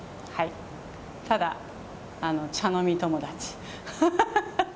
ただ、茶飲み友達。